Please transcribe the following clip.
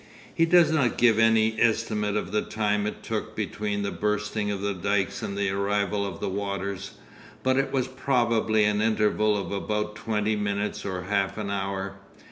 He does not give any estimate of the time it took between the bursting of the dykes and the arrival of the waters, but it was probably an interval of about twenty minutes or half an hour.